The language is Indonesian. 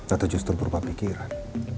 atau justru berpapikiran